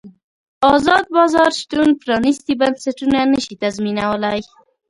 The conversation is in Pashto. ازاد بازار شتون پرانیستي بنسټونه نه شي تضمینولی.